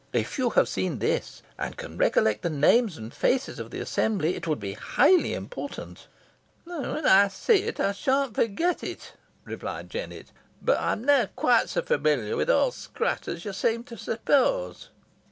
If you have seen this, and can recollect the names and faces of the assembly, it would be highly important." "When ey see it, ey shanna forget it," replied Jennet. "Boh ey am nah quite so familiar wi' Owd Scrat os yo seem to suppose."